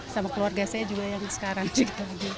sama keluarga saya juga yang sekarang gitu